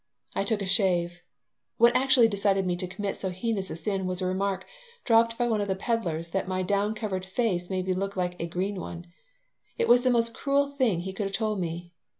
I took a shave. What actually decided me to commit so heinous a sin was a remark dropped by one of the peddlers that my down covered face made me look like a "green one." It was the most cruel thing he could have told me.